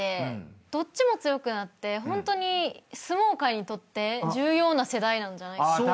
どっちも強くなってホントに相撲界にとって重要な世代なんじゃないかな。